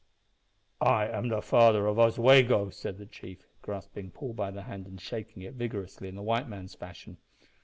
"I am the father of Oswego," said the chief, grasping Paul by the hand and shaking it vigorously in the white man's fashion.